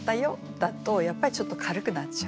だとやっぱりちょっと軽くなっちゃう。